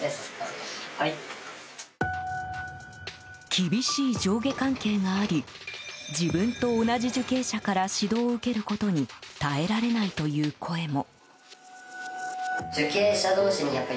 厳しい上下関係があり自分と同じ受刑者から指導を受けることに耐えられないという声も。